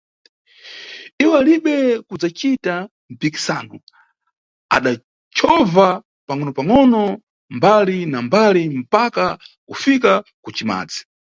Iwo alibe kudzacita mpikisano, adandochova pangʼonopangʼono mbali na mbali mpaka kufika ku Cimadzi.